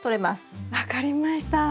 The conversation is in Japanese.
分かりました。